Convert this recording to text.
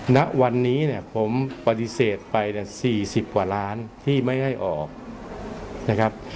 ณวันนี้เนี่ยผมปฏิเสธไปเนี่ย๔๐กว่าล้านที่ไม่ให้ออกนะครับ